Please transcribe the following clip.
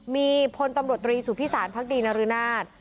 มีพลตำรวจตรีสุพิสารพักดีนรนาศ